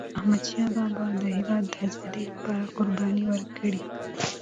احمدشاه بابا د هیواد د آزادی لپاره قربانۍ ورکړي.